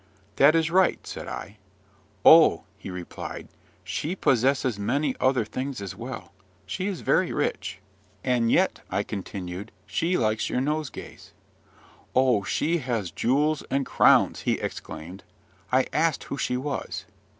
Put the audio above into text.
"That is right," said I. "Oh!" he replied, "she possesses many other things as well: she is very rich." "And yet," I continued, "she likes your nosegays." "Oh, she has jewels and crowns!" he exclaimed. I asked who she was.